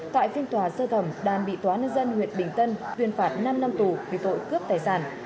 tại phiên tòa sơ thẩm đàn bị tòa nhân dân huyện bình tân tuyên phạt năm năm tù vì tội cướp tài sản